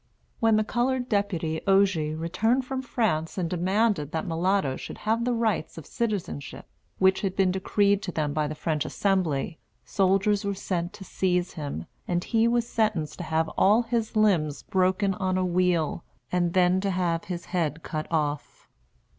When the colored deputy Ogé returned from France and demanded that mulattoes should have the rights of citizenship, which had been decreed to them by the French Assembly, soldiers were sent to seize him, and he was sentenced to have all his limbs broken on a wheel, and then to have his head cut off.